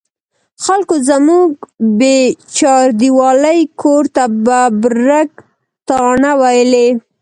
خلکو زموږ بې چاردیوالۍ کور ته ببرک تاڼه ویلې.